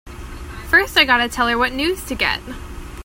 First I gotta tell her what news to get!